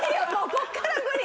ここから無理！